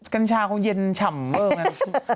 กัญชาคงเย็นฉ่ำเบิ่งนะ